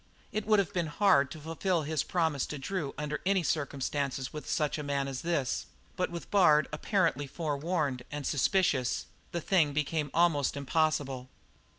It would have been hard to fulfil his promise to Drew under any circumstances with such a man as this; but with Bard apparently forewarned and suspicious the thing became almost impossible.